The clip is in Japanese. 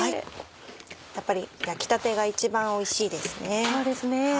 やっぱり焼きたてが一番おいしいですね。